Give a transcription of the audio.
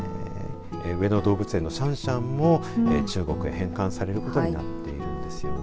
上野動物園のシャンシャンも中国へ返還されることになっているんですよね。